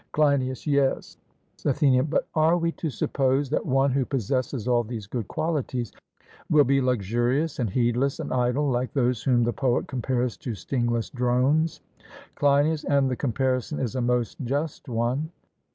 CLEINIAS: Yes. ATHENIAN: But are we to suppose that one who possesses all these good qualities will be luxurious and heedless and idle, like those whom the poet compares to stingless drones? CLEINIAS: And the comparison is a most just one.